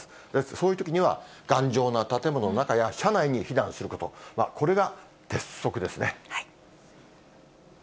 そういうときには、頑丈な建物の中や車内に避難すること、これが鉄則ですね。